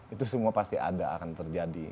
itu semua pasti ada akan terjadi